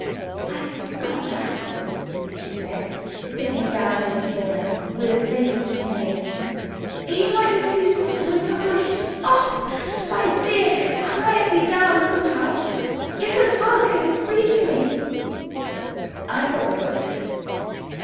"I forgot that," she said, sitting down in a corner, with a face of dismay. "He might refuse to perform the operation! Oh, my dear, quiet me down somehow. Get a book, and read to me." I got the book.